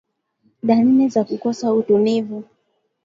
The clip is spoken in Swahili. Dalili za kukosa utulivu